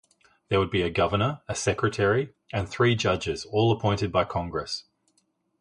There would be a governor, a secretary, and three judges, all appointed by Congress.